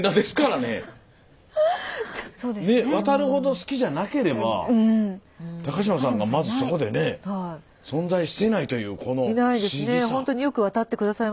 渡るほど好きじゃなければ高島さんがまずそこでね存在していないというこの不思議さ。